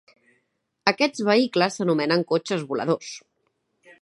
Aquests vehicles s'anomenen cotxes voladors.